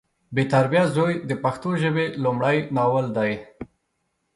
بې تربیه زوی د پښتو ژبې لمړی ناول دی